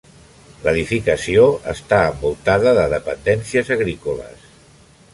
L'edificació està envoltada de dependències agrícoles.